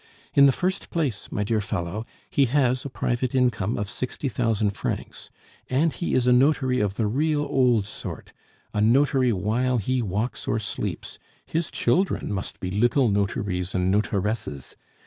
In the first place, my dear fellow, he has a private income of sixty thousand francs; and he is a notary of the real old sort, a notary while he walks or sleeps; his children must be little notaries and notaresses.